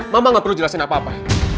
mama gak perlu jelasin apa apa